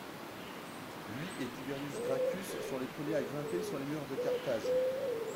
Lui et Tiberius Gracchus sont les premiers à grimper sur les murs de Carthage.